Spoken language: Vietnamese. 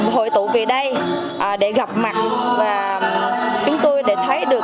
hội tụ về đây để gặp mặt và chúng tôi để thấy được